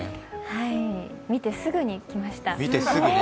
はい、見てすぐにきました。